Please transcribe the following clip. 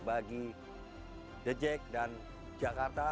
bagi dejek dan jakarta